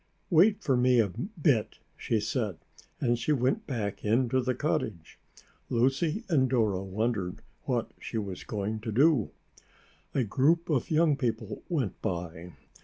"Wait for me a bit," she said, and she went back into the cottage. Lucy and Dora wondered what she was going to do. A group of young people went by.